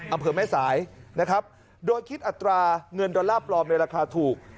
อำเภอแม่สายนะครับโดยคิดอัตราเงินดอลลาร์ปลอมในราคาถูก